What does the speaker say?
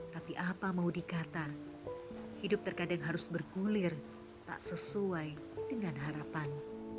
tapi apa mau dikata hidup terkadang harus bergulir tak sesuai dengan harapan